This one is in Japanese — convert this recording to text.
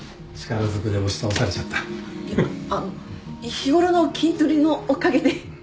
日頃の筋トレのおかげで。